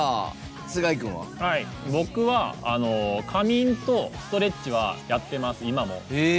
僕は、仮眠とストレッチはやっています、今も。